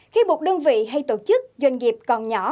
khi một đơn vị hay tổ chức doanh nghiệp còn nhỏ